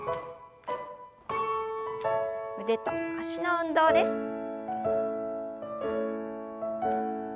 腕と脚の運動です。